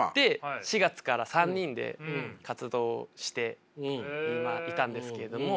４月から３人で活動していたんですけども。